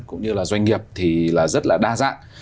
cũng như là doanh nghiệp thì là rất là đa dạng